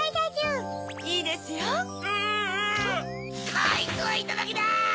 ・こいつはいただきだ！